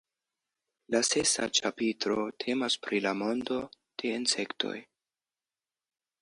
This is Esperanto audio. La sesa ĉapitro temas pri la mondo de insektoj.